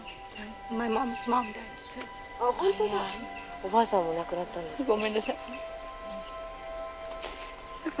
おばあさんも亡くなったんですって。